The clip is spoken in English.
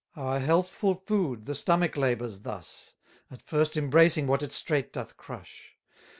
Our healthful food the stomach labours thus, At first embracing what it straight doth crush.